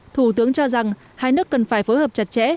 thủ tướng cho rằng hai nước cần phải phối hợp chặt chẽ